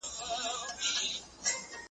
بيا يې كش يو ځل تر لاس بيا تر سږمه كړ .